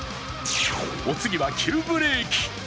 お次は急ブレーキ。